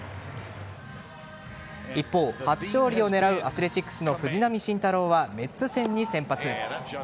一方、初勝利を狙うアスレチックスの藤浪晋太郎はメッツ戦に先発。